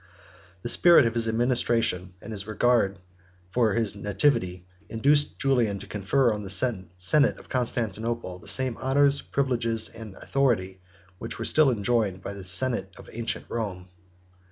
The spirit of his administration, and his regard for the place of his nativity, induced Julian to confer on the senate of Constantinople the same honors, privileges, and authority, which were still enjoyed by the senate of ancient Rome.